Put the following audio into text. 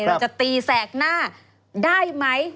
เราจะตีแสกหน้าได้ไหม